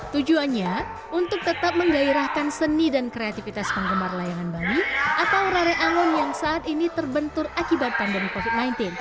tujuannya untuk tetap menggairahkan seni dan kreativitas penggemar layangan bali atau rare angon yang saat ini terbentur akibat pandemi covid sembilan belas